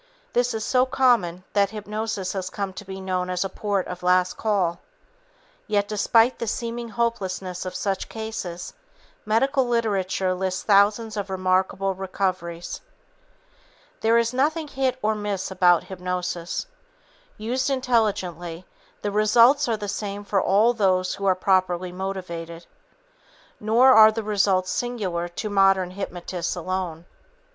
This is so common that hypnosis has come to be known as a port of last call. Yet, despite the seeming hopelessness of such cases, medical literature lists thousands of remarkable recoveries. There is nothing hit or miss about hypnosis. Used intelligently, the results are the same for all those who are properly motivated. Nor are the results singular to modern hypnotists alone.